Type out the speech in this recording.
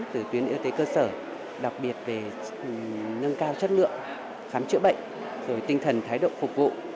từ tuyến y tế cơ sở đặc biệt về nâng cao chất lượng khám chữa bệnh rồi tinh thần thái độ phục vụ